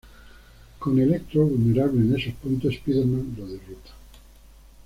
Con Electro vulnerable en esos puntos, Spider-Man lo derrota.